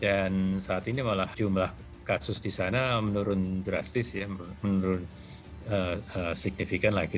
dan saat ini malah jumlah kasus di sana menurun drastis ya menurun signifikan lagi